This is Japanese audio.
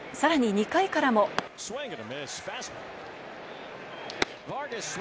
さらに２回からも。